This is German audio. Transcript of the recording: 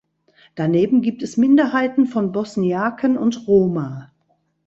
Daneben gibt es Minderheiten von Bosniaken und Roma.